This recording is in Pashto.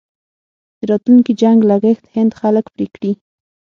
د راتلونکي جنګ لګښت هند خلک پرې کړي.